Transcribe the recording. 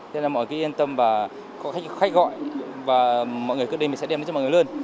thế nên là mọi người yên tâm và có khách gọi và mọi người quyết định mình sẽ đem đến cho mọi người luôn